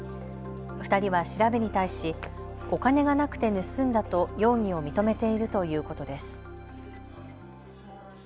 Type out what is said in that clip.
２人は調べに対しお金がなくて盗んだと容疑を認めているということです。